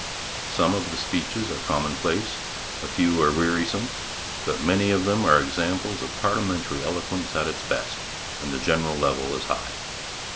Some of the speeches are commonplace; a few are wearisome; but many of them are examples of parliamentary eloquence at its best, and the general level is high.